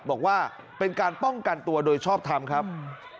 บอกว่าเป็นการป้องกันตัวโดยชอบทำครับ